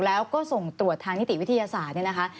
แล้วก็ส่งตรวจทางนิติวิทยาศาสตร์เนี่ยนะคะ